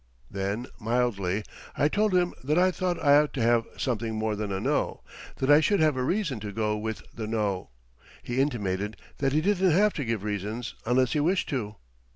Then, mildly, I told him that I thought I ought to have something more than a No; that I should have a reason to go with the No. He intimated that he didn't have to give reasons unless he wished to.